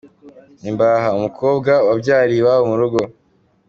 Imbaha: umukobwa wabyariye iwabo mu rugo.